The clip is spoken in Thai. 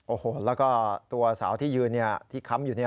โอ้โหแล้วก็ตัวสาวที่ยืนที่ค้ำอยู่